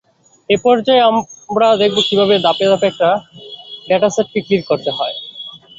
এ পর্যায়ে আমরা দেখবো কীভাবে ধাপে ধাপে একটি ডেটাসেটকে ক্লিন করতে হয়।